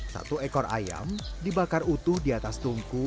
satu ekor ayam dibakar utuh di atas tungku